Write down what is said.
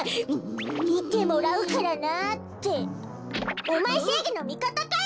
「みてもらうからな」っておまえせいぎのみかたかよ！